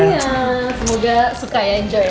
iya semoga suka ya enjoy